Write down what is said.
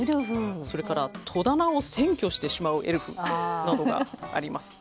それから戸棚を占拠してしまうエルフなどがあります。